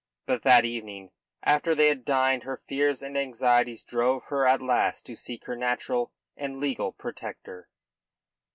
But that evening after they had dined her fears and anxieties drove her at last to seek her natural and legal protector.